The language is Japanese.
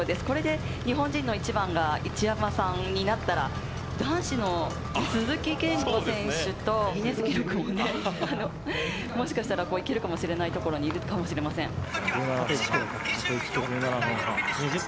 これで日本人の一番が一山さんになったら男子の鈴木健吾選手とギネス記録もね、もしかしたらいけるかもしれないところにいるかもしれません。